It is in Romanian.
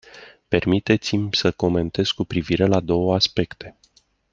Permiteți-mi să comentez cu privire la două aspecte.